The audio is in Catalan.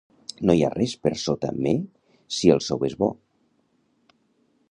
No hi ha res por sota me si el sou és bo.